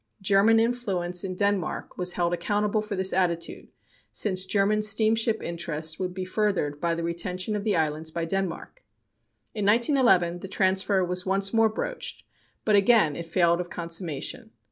German influence in Denmark was held accountable for this attitude, since German steamship interests would be furthered by the retention of the islands by Denmark. In 1911, the transfer was once more broached, but again it failed of consummation.